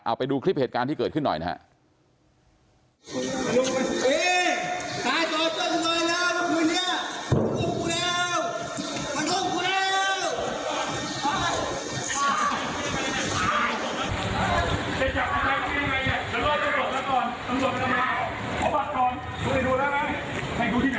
เอาไปดูคลิปเหตุการณ์ที่เกิดขึ้นหน่อยนะครับ